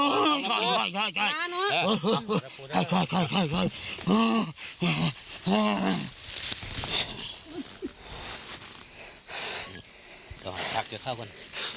หลักเจอเข้าบน